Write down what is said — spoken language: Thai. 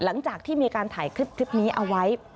หลังจากที่มีการถ่ายคลิปนี้เอาไว้